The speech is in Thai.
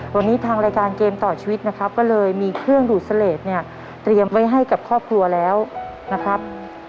วันนี้ทางรายการเกมต่อชีวิตนะครับก็เลยมีเครื่องดูดเสลดเนี่ยเตรียมไว้ให้กับครอบครัวแล้วนะครับ